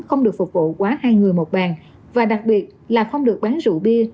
không được phục vụ quá hai người một bàn và đặc biệt là không được uống rượu bia